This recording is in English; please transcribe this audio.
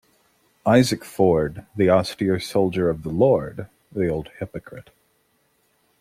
Isaac Ford, the austere soldier of the Lord, the old hypocrite.